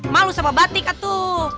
malu sama batik itu